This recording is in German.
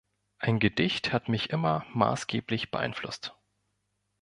Ein Gedicht hat mich immer maßgeblich beeinflusst.